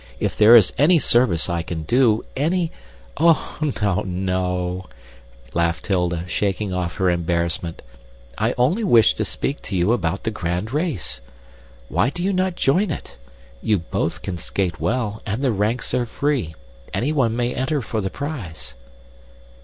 "If there is any service I can do, any " "Oh, no, no," laughed Hilda, shaking off her embarrassment. "I only wished to speak to you about the grand race. Why do you not join it? You both can skate well, and the ranks are free. Anyone may enter for the prize."